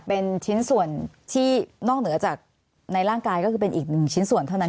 เป็นชิ้นส่วนที่นอกเหนือจากในร่างกายก็คือเป็นอีกหนึ่งชิ้นส่วนเท่านั้น